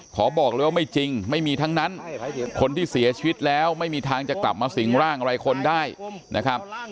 ขอบอกเลยว่าไม่จริงไม่มีทั้งนั้นคนที่เสียชีวิตแล้วไม่มีทางจะกลับมาสิงร่างอะไรคนได้นะครับ